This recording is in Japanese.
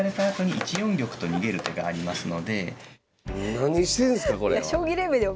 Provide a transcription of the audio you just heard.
何してんすかこれは！